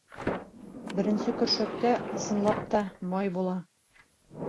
Беренсе көршәктә, ысынлап та, май була.